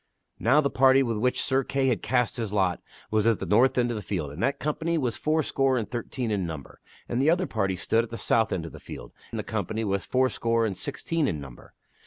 Now the party with which Sir Kay had cast his lot was at the north of the field, and that company was fourscore and thirteen in number; and Sir Kay takes * ne ^ ner party stood at the south end of the field, and that hand in the company was fourscore and sixteen in number.